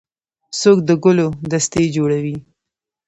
څوک د ګلو دستې جوړوي.